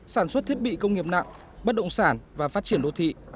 sản xuất thiết bị công nghiệp nặng bất động sản và phát triển đô thị